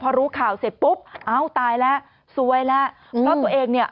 พอรู้ข่าวเสร็จปุ๊บเอ้าตายแล้วสวยแล้วเพราะตัวเองเนี่ย